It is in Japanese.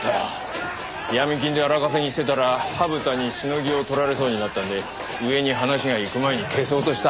闇金で荒稼ぎしてたら土生田にシノギを取られそうになったんで上に話がいく前に消そうとした。